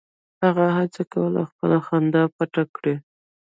هغه هڅه کوله خپله خندا پټه کړي